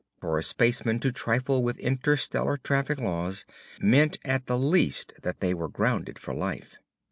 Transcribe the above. For a spaceman to trifle with interstellar traffic laws meant at the least that they were grounded for life.